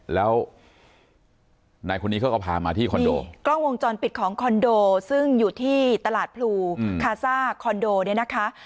แล้วนายคนนี้เขาก็พามาที่คอนโดกล้องวงจรปิดของคอนโดซึ่งอยู่ที่ตลาดพลูคาซ่าคอนโดเนี่ยนะคะ